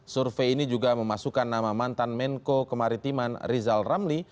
survei ini juga memasukkan nama mantan menko kemaritiman rizal ramli